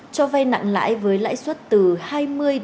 cho vây nặng lãi với lãi suất từ hai mươi đồng